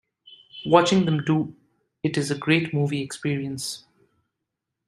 Watching them do it is a great movie experience.